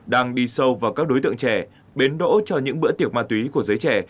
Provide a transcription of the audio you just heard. đang đi sâu vào các đối tượng trẻ bến đỗ cho những bữa tiệc ma túy của giới trẻ